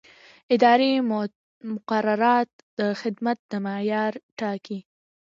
اداري مقررات د خدمت د معیار ټاکي.